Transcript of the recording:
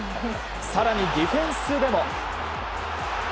更にディフェンスでも。